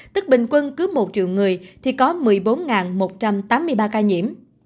tức bình quân cứ một triệu người thì có một mươi bốn một trăm tám mươi ba ca nhiễm